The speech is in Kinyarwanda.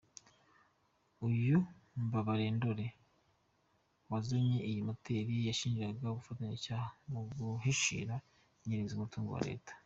Uyu Mbabarendore wazanye n’iyi moteri yashinjwaga ubufatanyacyaha mu guhishira unyereza umutungo wa Leta.